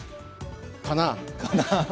かな。